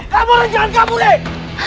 kamu jangan kabur nih